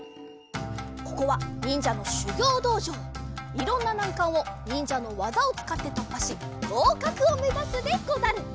いろんななんかんをにんじゃのわざをつかってとっぱしごうかくをめざすでござる！